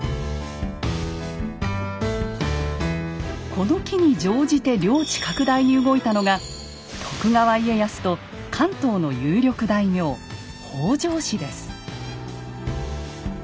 この機に乗じて領地拡大に動いたのが徳川家康と関東の有力大名北条氏です。